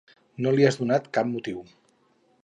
No li has donat cap motiu.